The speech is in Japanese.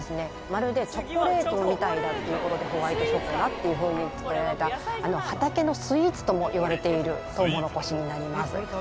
まるでチョコレートみたいだっていう事でホワイトショコラっていうふうに付けられた畑のスイーツともいわれているとうもろこしになります。